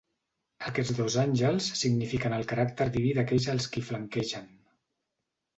Aquests dos àngels signifiquen el caràcter diví d'aquells als qui flanquegen.